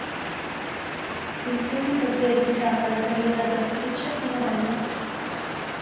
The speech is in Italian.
In seguito si è dedicata alla carriera di attrice e modella.